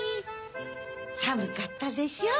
さむかったでしょう